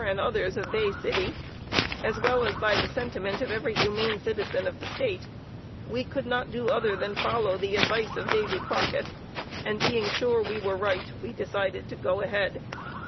and others of Bay City, as well as by the sentiment of every humane citizen of the State, we could not do other than follow the advice of Davy Crockett, and being sure we were right, we decided to "go ahead."